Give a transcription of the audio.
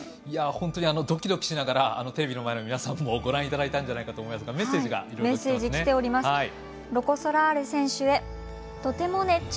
本当にドキドキしながらテレビの前の皆さんもご覧いただいたんじゃないかと思いますがメッセージがきていますね。